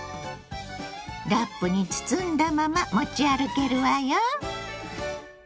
ラップに包んだまま持ち歩けるわよ。